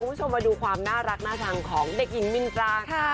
คุณผู้ชมมาดูความน่ารักน่าชังของเด็กหญิงมินตราค่ะ